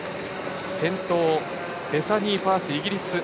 先頭はベサニー・ファース、イギリス。